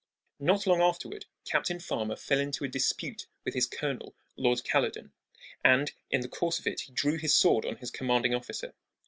Not long afterward Captain Farmer fell into a dispute with his colonel, Lord Caledon, and in the course of it he drew his sword on his commanding officer.